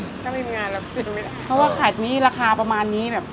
ถ้าไม่มีงานเราขึ้นไม่ได้เพราะว่าขายนี้ราคาประมาณนี้แบบ